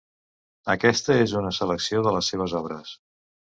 Aquesta és una selecció de les seves obres.